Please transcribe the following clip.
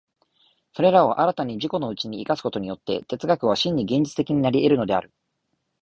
それらを新たに自己のうちに生かすことによって、哲学は真に現実的になり得るのである。